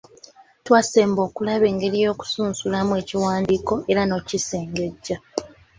Twasemba okulaba engeri y’okusunsulamu akiwandiiko era n’okisegejja.